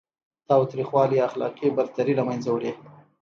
تاوتریخوالی اخلاقي برتري له منځه وړي.